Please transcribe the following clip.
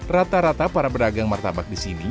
rata rata para pedagang martabak di sini